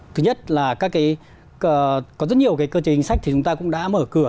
thứ nhất là có rất nhiều cái cơ chế chính sách thì chúng ta cũng đã mở cửa